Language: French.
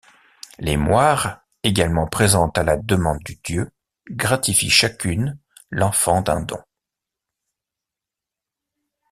Les Moires, également présentes à la demande du dieu, gratifient chacune l'enfant d'un don.